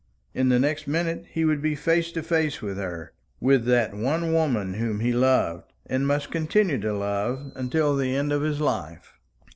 In the next minute he would be face to face with her, with that one woman whom he loved, and must continue to love, until the end of his life.